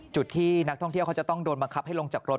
จุดที่นักท่องเที่ยวเขาจะต้องโดนบังคับให้ลงจากรถ